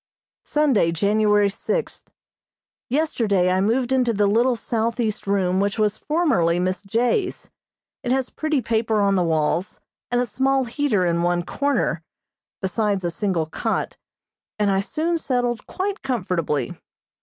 Sunday, January sixth: Yesterday I moved into the little southeast room which was formerly Miss J.'s. It has pretty paper on the walls, and a small heater in one corner, besides a single cot, and I soon settled quite comfortably.